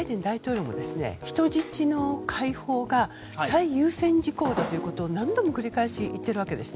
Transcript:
バイデン大統領も人質の解放が最優先事項だということを何度も言っているわけです。